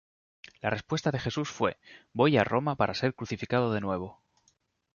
La respuesta de Jesús fue: 'Voy a Roma para ser crucificado de nuevo'.